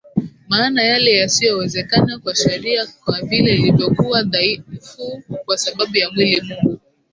Maana yale yasiyowezekana kwa sheria kwa vile ilivyokuwa dhaifu kwa sababu ya mwili Mungu